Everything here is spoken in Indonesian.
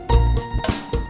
delapan satu komandan